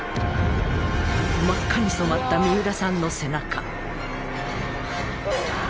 真っ赤に染まった三浦さんの背中。